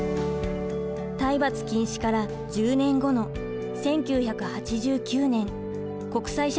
体罰禁止から１０年後の１９８９年国際社会の声が高まり